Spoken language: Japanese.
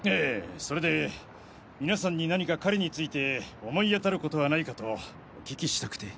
それで皆さんに何か彼について思い当たる事はないかとお聞きしたくて。